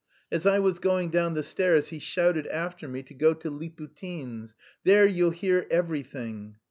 As I was going down the stairs he shouted after me to go to Liputin's: "There you'll hear everything."